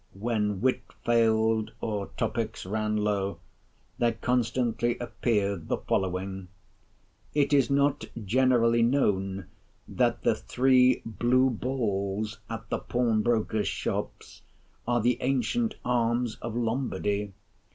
When wit failed, or topics ran low, there constantly appeared the following—"It is not generally known that the three Blue Balls at the Pawnbrokers' shops are the ancient arms of Lombardy.